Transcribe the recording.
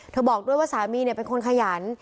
เธอบอกด้วยว่าสามีเนี่ยเป็นคนขยัน